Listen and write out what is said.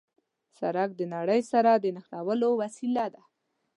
سړک د نړۍ سره د نښلولو وسیله ده.